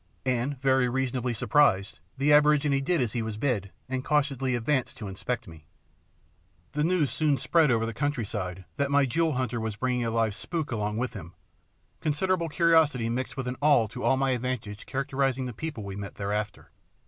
And, very reasonably, surprised, the aborigine did as he was bid and cautiously advanced to inspect me. The news soon spread over the countryside that my jewel hunter was bringing a live "spook" along with him, considerable curiosity mixed with an awe all to my advantage characterising the people we met thereafter.